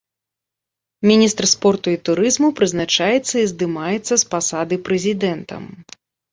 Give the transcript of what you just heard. Міністр спорту і турызму прызначаецца і здымаецца з пасады прэзідэнтам.